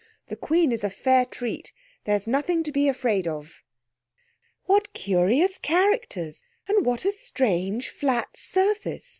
The Queen is a fair treat. There's nothing to be afraid of." "What curious characters, and what a strange flat surface!"